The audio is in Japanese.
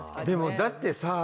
でもだってさ。